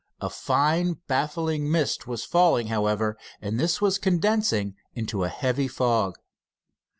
A fine baffling mist was falling, however, and this was condensing into a heavy fog.